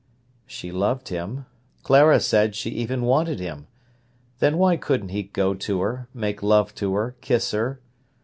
She loved him. Clara said she even wanted him; then why couldn't he go to her, make love to her, kiss her?